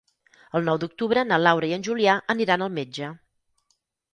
El nou d'octubre na Laura i en Julià aniran al metge.